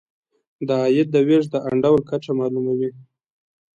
د عاید د وېش د انډول کچه معلوموي.